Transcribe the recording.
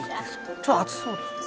ちょっと厚そうですね